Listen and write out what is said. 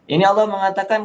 ini allah mengatakan